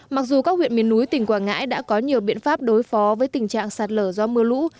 mặc dù các huyện miền núi tỉnh quảng ngãi đã có nhiều biện pháp đối phó với tình trạng sạt lở do mưa lũ